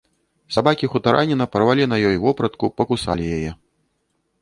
Сабакі хутараніна парвалі на ёй вопратку, пакусалі яе.